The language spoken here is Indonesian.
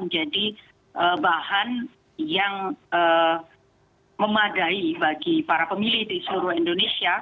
menjadi bahan yang memadai bagi para pemilih di seluruh indonesia